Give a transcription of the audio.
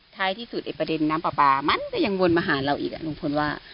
ท้ายที่สุดเนี่ยประเด็นน้ำป่าป่ามันก็ยังวนมาหาเราอีกอ่ะหนูพนว่า